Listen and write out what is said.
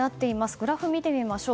グラフを見てみましょう。